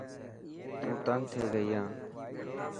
هون تنگ ٿيي گئي هان.